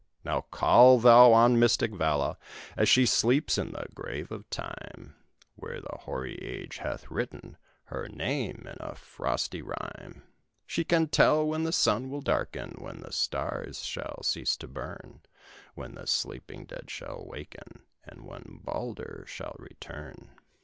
Now call thou on mystic Vala, as she sleeps in the grave of Time, Where the hoary age hath written her name in a frosty rime; She can tell when the sun will darken, when the stars shall cease to burn, When the sleeping dead shall waken, and when Baldur shall return."